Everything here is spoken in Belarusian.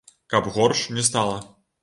Каб горш не стала.